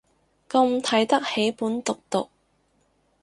咁睇得起本毒毒